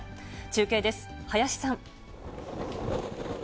中継です、林さん。